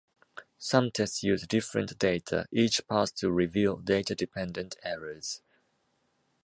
Some tests use different data each pass to reveal data-dependent errors.